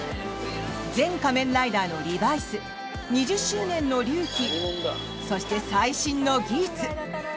前仮面ライダーのリバイス２０周年の龍騎そして最新のギーツ。